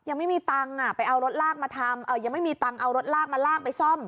ยังไม่มีตังค์ไปเอารถลากมาทำยังไม่มีตังค์เอารถลากมาลากไปซ่อม